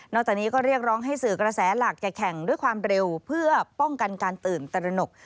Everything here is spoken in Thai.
จากนี้ก็เรียกร้องให้สื่อกระแสหลักจะแข่งด้วยความเร็วเพื่อป้องกันการตื่นตระหนก